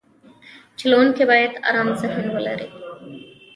چلوونکی باید ارام ذهن ولري.